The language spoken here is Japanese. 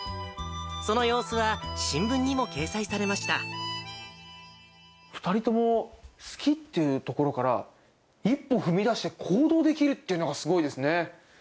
その様子は、新聞にも掲載されま２人とも好きっていうところから、一歩踏み出して行動できるっていうのがすごいですね。